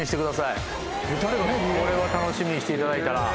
これは楽しみにしていただいたら。